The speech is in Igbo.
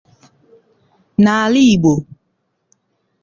n'ala Igbo